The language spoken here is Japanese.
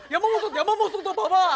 山本と馬場。